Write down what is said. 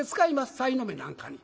さいの目なんかに。